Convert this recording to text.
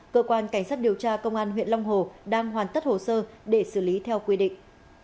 cơ quan cảnh sát điều tra công an huyện long hồ đang hoàn tất hồ sơ để xử lý theo quy định